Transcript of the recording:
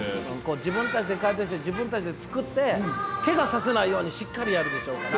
自分たちで解体して自分たちで作ってけがさせないようにしっかりやるでしょうから。